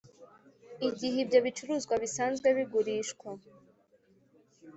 igihe ibyo bicuruzwa bisanzwe bigurishwa